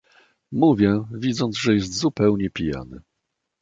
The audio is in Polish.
"mówię, widząc, że jest zupełnie pijany."